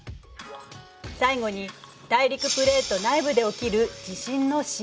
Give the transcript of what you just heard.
最後に大陸プレート内部で起きる地震の震源。